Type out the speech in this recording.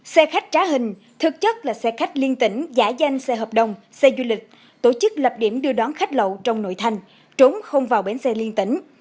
xe khách trá hình thực chất là xe khách liên tỉnh giả danh xe hợp đồng xe du lịch tổ chức lập điểm đưa đón khách lậu trong nội thành trốn không vào bến xe liên tỉnh